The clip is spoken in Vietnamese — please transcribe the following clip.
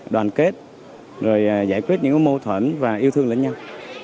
đoàn kết rồi giải quyết những mâu thuẫn và yêu thương lẫn nhau